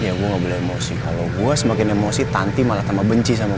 gimana caranya aku harus menyakinin tanti kalau gue beneran cinta sama dia